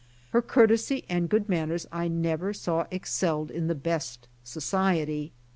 Her courtesy and good manners I never saw excelled in the best society.